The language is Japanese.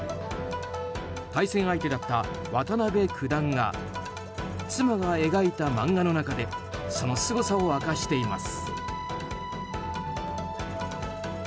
対戦相手だった渡辺九段が妻が描いた漫画の中でそのすごさを明かしています。